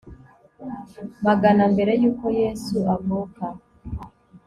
magana mbere y uko Yesu avuka